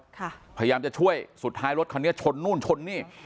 พยายามจะช่วยสุดท้ายรถคันนี้ชนนู่นชนนี่